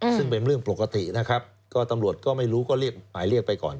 ซึ่งเป็นเรื่องปกตินะครับก็ตำรวจก็ไม่รู้ก็เรียกหมายเรียกไปก่อน